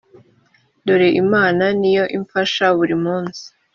dore imana ni yo imfasha buri munsi